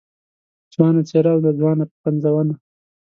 ځوانه څېره او ځوانه پنځونه